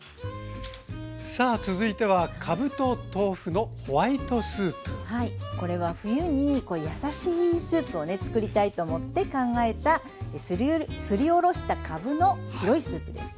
さあ続いてははいこれは冬に優しいスープをね作りたいと思って考えたすりおろしたかぶの白いスープです。